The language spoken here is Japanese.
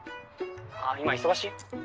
あっ今忙しい？